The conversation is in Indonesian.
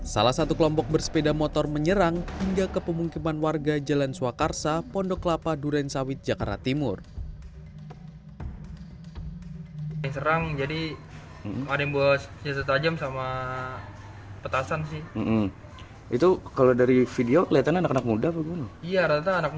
salah satu kelompok bersepeda motor menyerang hingga ke pemungkiman warga jalan swakarsa pondok kelapa durensawit jakarta timur